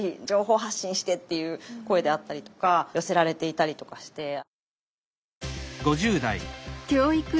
情報発信して」っていう声であったりとか寄せられていたりとかして。